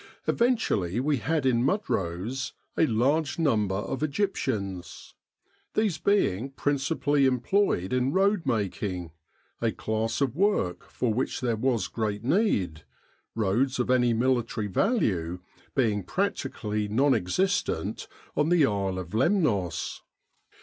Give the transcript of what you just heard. Eventually we had in Mudros a large number of Egyptians, these being principally em ployed in road making, a class of work for which there was great need, roads of any military value being practically non existent on the Isle of Lemnos.